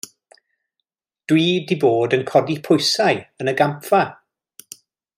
Dw i 'di bod yn codi pwysau yn y gampfa.